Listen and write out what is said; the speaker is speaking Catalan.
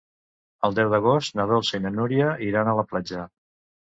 El deu d'agost na Dolça i na Núria iran a la platja.